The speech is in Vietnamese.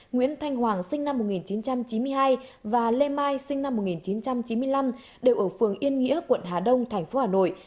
nguyễn thanh hoàng sinh năm một nghìn chín trăm chín mươi hai và lê mai sinh năm một nghìn chín trăm chín mươi năm đều ở phường yên nghĩa quận hà đông tp hà nội